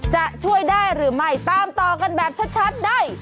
จะช่วยได้หรือไม่ตามต่อกันแบบชัดได้